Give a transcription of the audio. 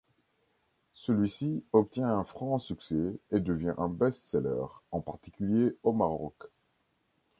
Celui-ci obtient un franc succès et devient un best-seller, en particulier au Maroc.